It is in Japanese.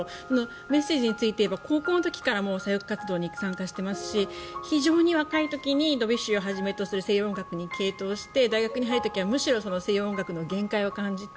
メッセージについていえば高校の時から左翼活動に参加していますし非常に若い時にドビュッシーをはじめとする西洋音楽に傾倒して大学に入る時はむしろ西洋音楽の限界を感じて